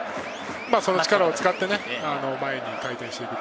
その力を使って、前に回転していく。